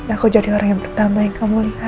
aku jadi orang yang pertama yang kamu lihat